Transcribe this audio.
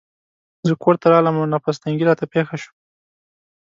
زه کورته راغلم او نفس تنګي راته پېښه شوه.